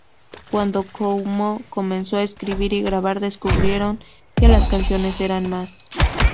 Cuando Cuomo comenzó a escribir y grabar, descubrieron que las canciones eran más".